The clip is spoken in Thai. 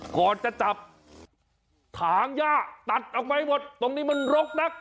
ก่อนจะจับถางย่าตัดออกไปหมดตรงนี้มันรกนัก